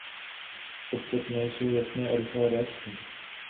Podstatné jsou jasné a rychlé reakce.